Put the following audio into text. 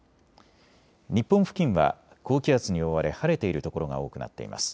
日本付近は高気圧に覆われ晴れている所が多くなっています。